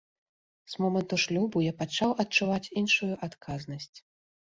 З моманту шлюбу я пачаў адчуваць іншую адказнасць.